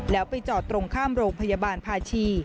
แล้วไปจอดตรงข้ามโรงพยาบาลภาชี